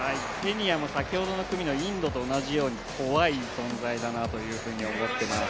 先ほどの組のインドと同じように怖い存在だなというふうに思っています。